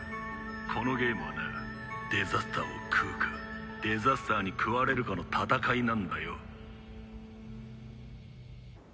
このゲームはなデザスターを食うかデザスターに食われるかの戦いなんだよ。